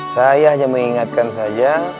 saya hanya mengingatkan saja